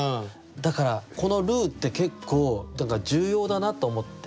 だからこのルーって結構重要だなと思って。